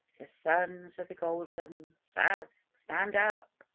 _To the Sons of the Golden South, (Stand up!)